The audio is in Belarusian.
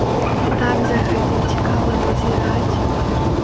Так за гэтым цікава назіраць!